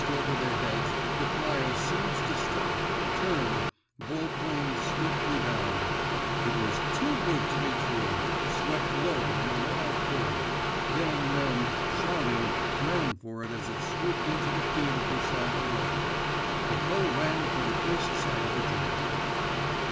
Almost over their heads the flyer seemed to stop, turned, volplaned swiftly down—it was too good to be true—swept lower in a wide curve. Then men, shouting, ran for it as it swooped into the field beside the road. Coco ran for his first sight of a German.